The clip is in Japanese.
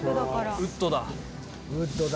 ウッドだ。